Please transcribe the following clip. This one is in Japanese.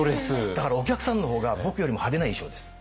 だからお客さんの方が僕よりも派手な衣装です。